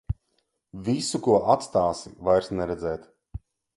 Visu, ko atstāsi, vairs neredzēt.